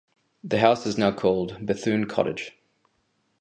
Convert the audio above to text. The house is now called "Bethune Cottage".